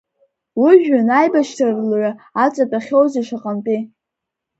Ужәҩан аибашьра лҩа аҵатәахьоузеи шаҟантәы!